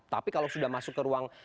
tapi kalau sudah masuk ke ruang